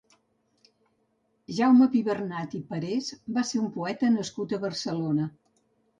Jaume Pibernat i Parés va ser un poeta nascut a Barcelona.